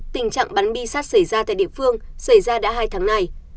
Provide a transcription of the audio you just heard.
tình trạng bắn bi sắt xảy ra tại địa phương xảy ra đã hai tháng này